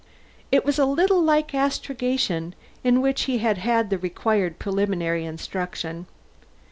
It was a little like astrogation, in which he had had the required preliminary instruction.